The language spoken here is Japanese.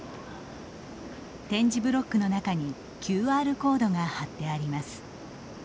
点字ブロックの中にＱＲコードが貼ってあります。